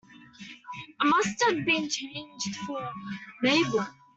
I must have been changed for Mabel!